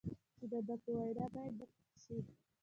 چې د ده په وینا باید نقد شي.